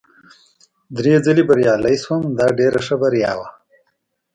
درې ځلي بریالی شوم، دا ډېره ښه بریا وه.